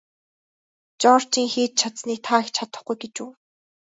Жоржийн хийж чадсаныг та чадахгүй гэж үү?